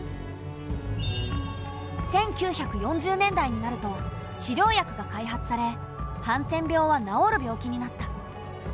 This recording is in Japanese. １９４０年代になると治療薬が開発されハンセン病は治る病気になった。